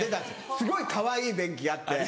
すごいかわいい便器があって。